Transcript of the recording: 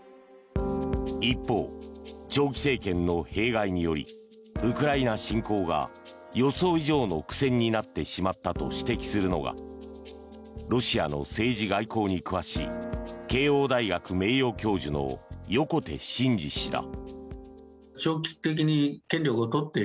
一方、長期政権の弊害によりウクライナ侵攻が予想以上の苦戦になってしまったと指摘するのがロシアの政治外交に詳しい慶応大学名誉教授の横手慎二氏だ。